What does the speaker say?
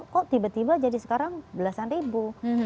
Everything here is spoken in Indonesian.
kok tiba tiba jadi sekarang belasan ribu